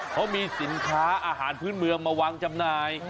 เขามีสินค้าอาหารพื้นเมืองมาวางจำหน่าย